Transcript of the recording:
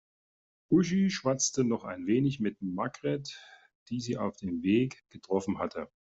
Uschi schwatzte noch ein wenig mit Margret, die sie auf dem Weg getroffen hatte.